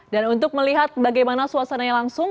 dan untuk melihat bagaimana suasananya langsung